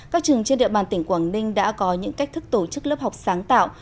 các trường trên địa bàn tỉnh quảng ninh đã có những cách thức tổ chức lớp học sáng tạo